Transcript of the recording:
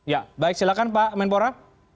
ya baik silakan pak menpora